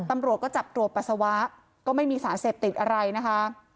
ตำรวจก็จับตรวจปัสสาวะก็ไม่มีสารเสพติดอะไรนะคะ